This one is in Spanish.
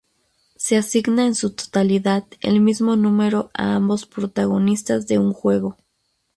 Se asigna en su totalidad el mismo número a ambos protagonistas de un juego.